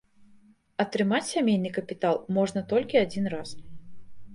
Атрымаць сямейны капітал можна толькі адзін раз.